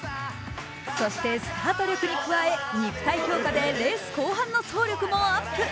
そして、スタート力に加え肉体強化でレース後半の走力もアップ。